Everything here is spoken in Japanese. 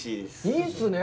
いいっすね。